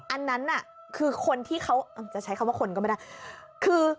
อันนั้นน่ะคือคนที่เขาจะใช้คำว่าคนก็ไม่ได้คือ